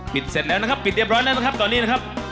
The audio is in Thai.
เสร็จแล้วนะครับปิดเรียบร้อยแล้วนะครับตอนนี้นะครับ